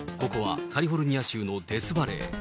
ここはカリフォルニア州のデスバレー。